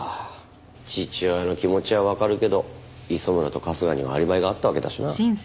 父親の気持ちはわかるけど磯村と春日にはアリバイがあったわけだしな。